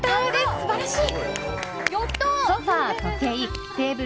素晴らしい。